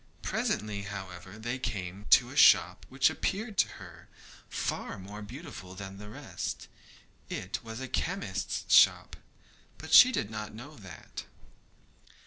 Presently, however, they came to a shop which appeared to her far more beautiful than the rest. It was a chemist's shop, but she did not know that.